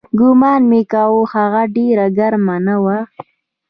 ګومان مې کاوه هغه ډېره ګرمه نه وه.